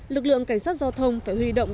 lực lượng cảnh sát giao thông phải huy động